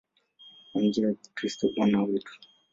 Kwa njia ya Kristo Bwana wetu.